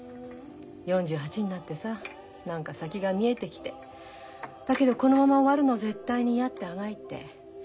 ４８になってさ何か先が見えてきてだけどこのまま終わるの絶対に嫌ってあがいて。